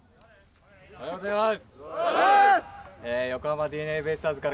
おはようございます。